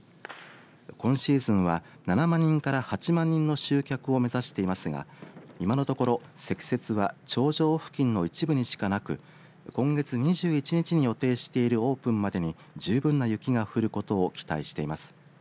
今シーズンは、７万人から８万人の集客を目指していますが今のところ積雪は頂上付近の一部にしかなく今月２１日に予定しているオープンまでに十分な雪が降ることを期待しています。